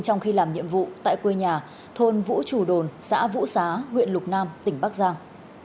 trong khi làm nhiệm vụ tại quê nhà thôn vũ trù đồn xã vũ xá huyện lục nam tỉnh bắc giang